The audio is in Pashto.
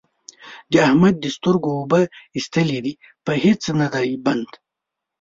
د احمد د سترګو اوبه اېستلې دي؛ په هيڅ نه دی بند،